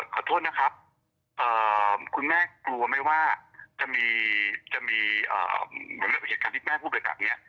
ขอโทษนะครับคุณแม่กลัวไหมว่าจะมีเหมือนเหตุการณ์ที่แม่พูดไปแบบนี้